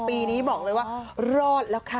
ปีนี้บอกเลยว่ารอดแล้วค่ะ